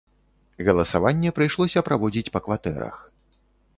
Галасаванне прыйшлося праводзіць па кватэрах.